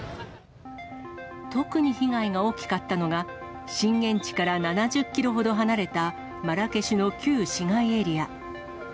特に被害が大きかったのが震源地から７０キロほど離れたマラケシュの旧市街エリア。